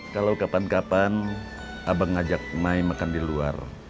kalau kapan kapan abang ngajak main makan di luar